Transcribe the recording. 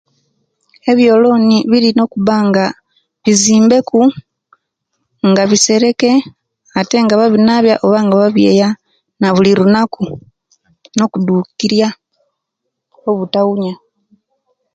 Ebyoloni birina okuba nga bizimbeku, nga bisereke ate nga babinabya oba nga babyeya nabuli runaku nokudukirya obutabunya